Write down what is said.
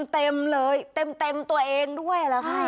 เต็มเลยเต็มตัวเองด้วย